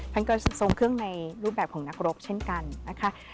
ท่านก็ทรงเครื่องในรูปแบบของนักรบเช่นกันนะคะ